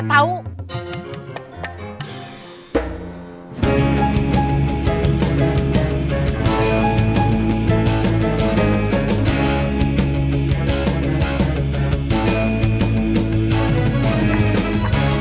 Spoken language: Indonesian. kalau kamu yang nanti pisah ke rumah teman